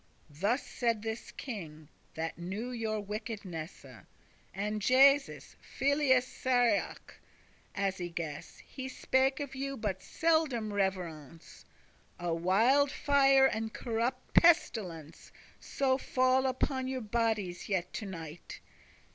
<27> Thus said this king, that knew your wickedness; And Jesus, Filius Sirach, <28> as I guess, He spake of you but seldom reverence. A wilde fire and corrupt pestilence So fall upon your bodies yet to night!